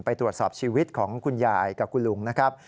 ไปตรวจสอบชีวิตของคุณยายกับคุณลุงนะครับ